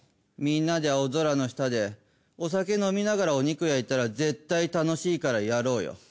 みんなで青空の下でお酒飲みながらお肉焼いたら絶対楽しいからやろうよ。